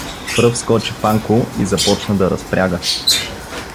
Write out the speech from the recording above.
Пръв скочи Панко и започна да разпряга.